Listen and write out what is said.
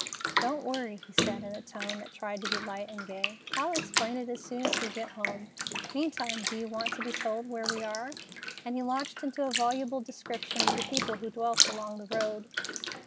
"Don't worry," he said in a tone that tried to be light and gay. "I'll explain it all as soon as we get home. Meantime, do you want to be told where we are?" and he launched into a voluble description of the people who dwelt along the road.